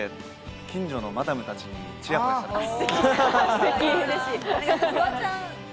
近所のマダムたちにチヤホヤされます。